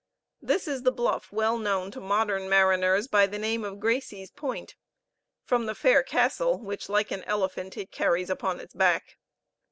This is the bluff well known to modern mariners by the name of Gracie's Point, from the fair castle which, like an elephant, it carries upon its back.